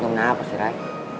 lo kenapa sih ray